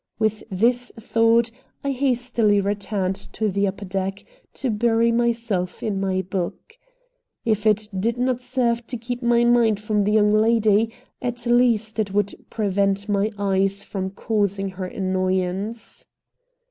With this thought, I hastily returned to the upper deck to bury myself in my book. If it did not serve to keep my mind from the young lady, at least I would prevent my eyes from causing her annoyance.